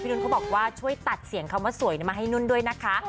นุ่นเขาบอกว่าช่วยตัดเสียงคำว่าสวยมาให้นุ่นด้วยนะคะ